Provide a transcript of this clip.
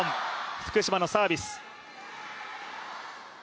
福島のサービス。